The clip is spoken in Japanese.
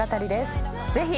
ぜひ。